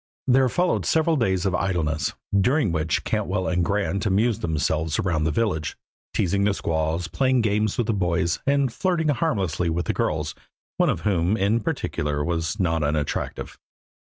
There followed several days of idleness, during which Cantwell and Grant amused themselves around the village, teasing the squaws, playing games with the boys, and flirting harmlessly with the girls, one of whom, in particular, was not unattractive.